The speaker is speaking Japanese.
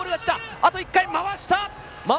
あと１回まわした。